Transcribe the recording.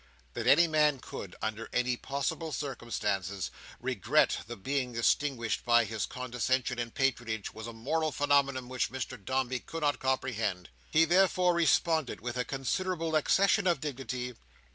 That any man could, under any possible circumstances, regret the being distinguished by his condescension and patronage, was a moral phenomenon which Mr Dombey could not comprehend. He therefore responded, with a considerable accession of dignity.